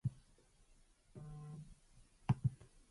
In Katni used to sing bhajans sometime in Madhav Shah darbar.